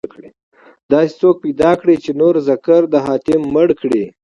داسې څوک پيدا کړئ، چې نور ذکر د حاتم مړ کړي